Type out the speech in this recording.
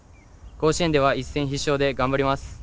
甲子園では一戦必勝で頑張ります。